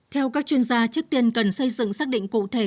theo các chuyên gia trước tiên cần xây dựng xác định cụ thể